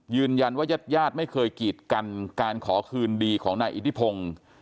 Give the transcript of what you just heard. ญาติญาติไม่เคยกีดกันการขอคืนดีของนายอิทธิพงศ์